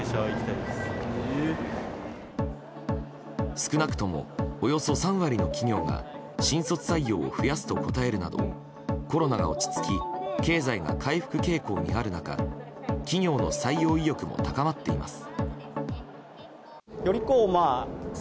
少なくともおよそ３割の企業が新卒採用を増やすと答えるなどコロナが落ち着き経済が回復傾向にある中企業の採用意欲も高まっています。